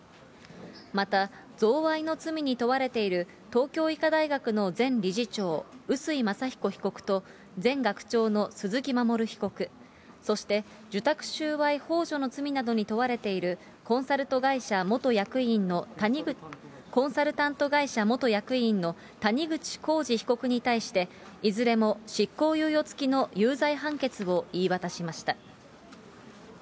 また、贈賄の罪に問われている、東京医科大学の前理事長、臼井正彦被告と、前学長の鈴木衞被告、そして受託収賄ほう助の罪などに問われているコンサルト会社元役員のコンサルタント会社元役員の谷口浩二被告に対して、いずれも執行猶予付きの有罪判決を言い渡しました。